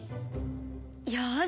よし！